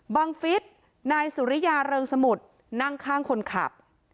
ฟิศนายสุริยาเริงสมุทรนั่งข้างคนขับ